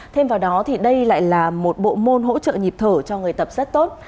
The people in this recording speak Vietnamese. thêm vào đó thì đây lại là một bộ môn hỗ trợ nhịp thở cho người tập rất tốt